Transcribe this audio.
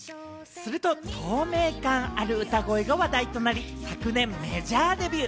すると、透明感ある歌声が話題となり、昨年メジャーデビュー。